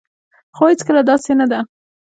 خو هيڅکله داسي نه ده